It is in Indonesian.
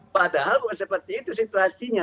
padahal bukan seperti itu situasinya